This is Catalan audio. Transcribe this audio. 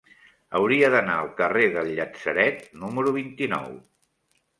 Hauria d'anar al carrer del Llatzeret número vint-i-nou.